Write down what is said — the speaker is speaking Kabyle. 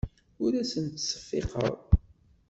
Ur asen-ttseffiqeɣ.